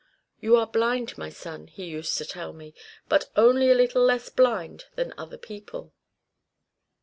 'You are blind, my son,' he used to tell me, 'but only a little less blind than other people.